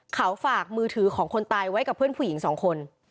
เขาฝากมือถือของคนตายไว้กับเพื่อนผู้หญิงสองคน